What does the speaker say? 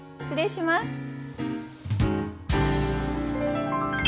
失礼します。